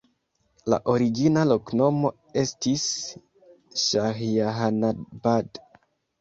La origina loknomo estis Ŝahjahanabad.